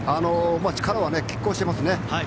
力は拮抗していますね。